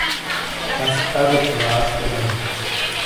اش اژوک لاش بلوں۔